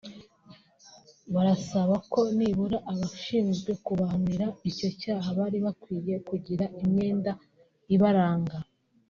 barasaba ko nibura abashinzwe kubahanira icyo cyaha bari bakwiye kugira imyenda ibaranga